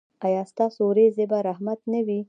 ایا ستاسو ورېځې به رحمت نه وي؟